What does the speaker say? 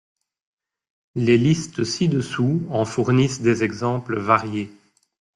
Les listes ci-dessous en fournissent des exemples variés.